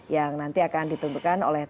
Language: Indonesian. yang nanti akan ditentukan oleh